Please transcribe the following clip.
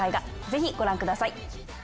ぜひご覧ください。